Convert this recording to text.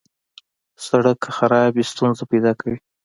سړک که خراب وي، ستونزې پیدا کوي.